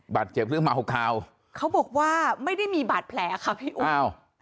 บาดเจ็บเรื่องมาโคกาวเขาบอกว่าไม่ได้มีบาดแผลค่ะพี่อุ่น